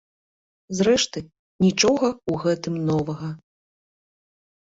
Зрэшты, нічога ў гэтым новага.